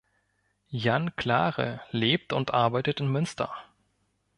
Jan Klare lebt und arbeitet in Münster.